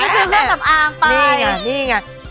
เพิ่งซื้อเครื่องสำอางไป